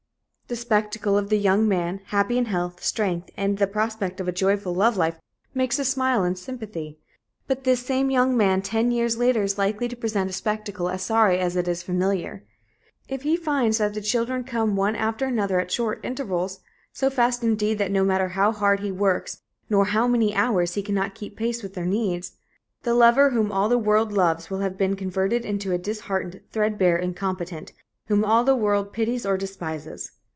The spectacle of the young man, happy in health, strength and the prospect of a joyful love life, makes us smile in sympathy. But this same young man ten years later is likely to present a spectacle as sorry as it is familiar. If he finds that the children come one after another at short intervals so fast indeed that no matter how hard he works, nor how many hours, he cannot keep pace with their needs the lover whom all the world loves will have been converted into a disheartened, threadbare incompetent, whom all the world pities or despises.